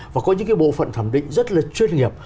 và có những cái bộ phận thẩm định rất là chuyên nghiệp